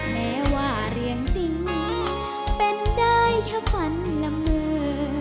แม้ว่าเรื่องจริงเป็นได้แค่ฝันละเมอ